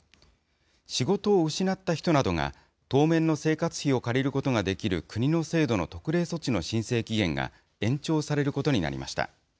仕事を失った人などが当面の生活費を借りることができる国の制度の特例措置の申請期限が延長されることになりました。